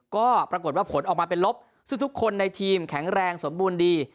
ก็ปรากฏว่าผลออกมาเป็นลบซึ่งทุกคนในทีมแข็งแรงสมบูรณ์ดี